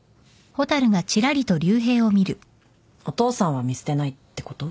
お父さんは見捨てないってこと？